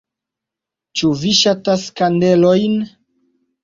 Ĉu vi ŝatas kandelojn?